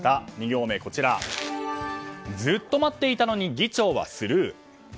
２行目、ずっと待っていたのに議長はスルー。